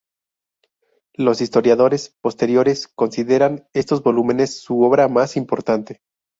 Los historiadores posteriores consideran estos volúmenes su obra más importante.